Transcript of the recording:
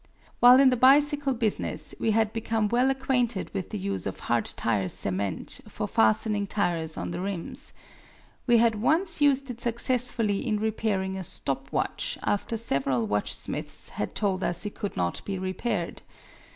While in the bicycle business we had become well acquainted with the use of hard tire cement for fastening tires on the rims. We had once used it successfully in repairing a stop watch after several watchsmiths had told us it could not be repaired.